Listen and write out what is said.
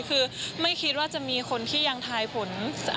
คือไม่คิดว่าจะมีคนที่ยังทายผล